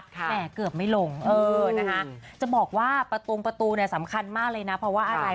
แต่เกือบไม่หลงจะบอกว่าประตูเนี่ยสำคัญมากเลยนะเพราะว่าอะไร